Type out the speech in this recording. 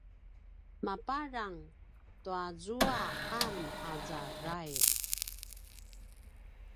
mapadrang tuazua qam aza drail